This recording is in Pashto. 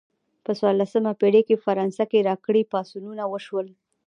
په څوارلسمه پیړۍ کې په فرانسه کې راکري پاڅونونه وشول.